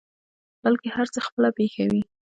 بلکې هر څه خپله پېښوي.